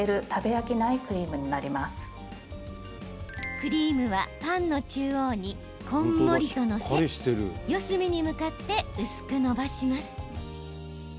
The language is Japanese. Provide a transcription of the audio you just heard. クリームはパンの中央にこんもりと載せ四隅に向かって薄くのばします。